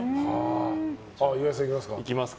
岩井さん、いきますか。